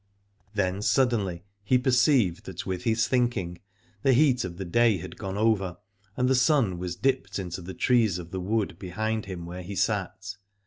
Then suddenly he perceived that with his thinking the heat of the day had gone over, and the sun was dipped into the trees of the wood behind him where he sat.